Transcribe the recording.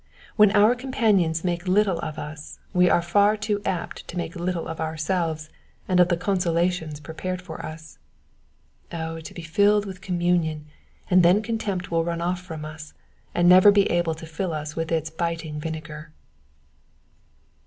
When our companions make little of us we are far too apt to make little of ourselves and of the consolations prepared for us. Oh to be filled with communion, and then contempt will run off from us, and never be able to fill us with its biting vinegar.